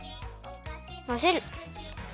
まぜる！